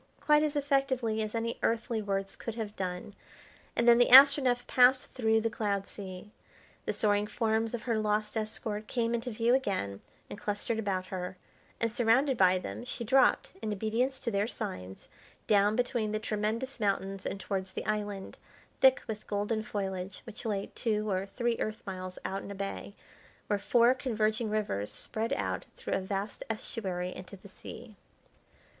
quite as effectively as any earthly words could have done, and then the Astronef passed through the cloud sea. The soaring forms of her lost escort came into view again and clustered about her; and, surrounded by them, she dropped, in obedience to their signs, down between the tremendous mountains and towards the island, thick with golden foliage, which lay two or three Earth miles out in a bay, where four converging rivers spread out through a vast estuary into the sea.